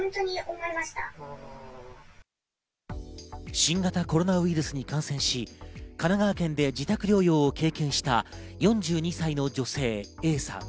新型コロナウイルスに感染し神奈川県で自宅療養を経験した４２歳の女性Ａさん。